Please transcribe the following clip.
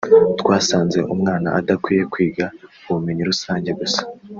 twasanze umwana adakwiye kwiga ubumenyi rusange gusa